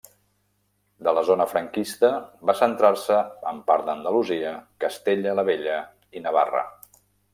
De la zona franquista, va centrar-se en part d'Andalusia, Castella la Vella i Navarra.